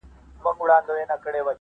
هم لوېدلی یې له پامه د خپلوانو.